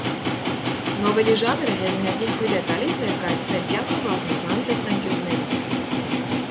Նովելի ժանրը հեղինակին թույլ է տալիս ներկայացնել կյանքը բազմազան տեսանկյուններից։